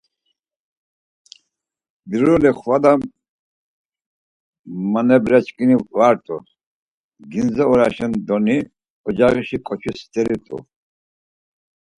Biroli xvala manebraçkini va rt̆u, gindze oraşen doni ocağişi ǩoçi steri rt̆u.